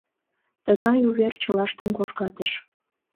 Тыгай увер чылаштым кожгатыш.